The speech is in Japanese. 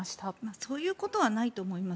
そういうことはないと思います。